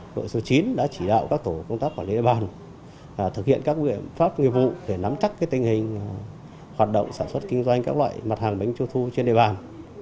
đội số chín đã chỉ đạo các tổ công tác quản lý địa bàn thực hiện các nguyện pháp nghiệp vụ để nắm chắc tình hình hoạt động sản xuất kinh doanh các loại mặt hàng bánh trung thu trên địa bàn